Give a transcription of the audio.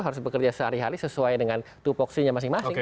harus bekerja sehari hari sesuai dengan tupoksinya masing masing